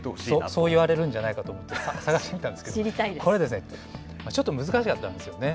そう言われるんじゃないかと思って、探してみたんですけど、これはですね、ちょっと難しかったんですね。